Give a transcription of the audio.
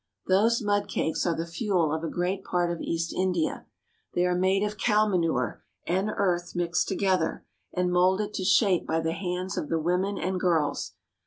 Those mud cakes are the fuel of a great part of East India. They are made of cow manure and earth mixed together and molded to shape by the hands of the women and girls.